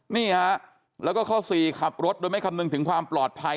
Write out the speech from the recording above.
นี่ฮะแล้วก็ข้อสี่ขับรถโดยไม่คำนึงถึงความปลอดภัย